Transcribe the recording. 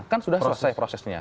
kan sudah selesai prosesnya